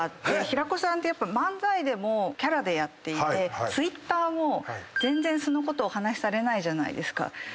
平子さんって漫才でもキャラでやっていてＴｗｉｔｔｅｒも全然素のことをお話しされないじゃないですか。